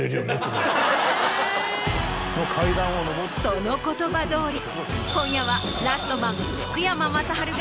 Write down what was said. その言葉どおり今夜は。